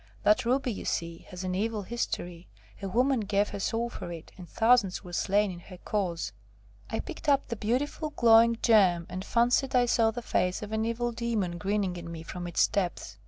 That ruby you see has an evil history; a woman gave her soul for it, and thousands were slain in her cause." I picked up the beautiful, glowing gem, and fancied I saw the face of an evil demon grinning at me from its depths.